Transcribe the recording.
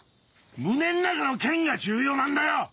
胸ん中の剣が重要なんだよ！